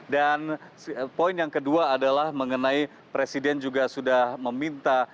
dan poin yang kedua adalah mengenai presiden juga sudah meminta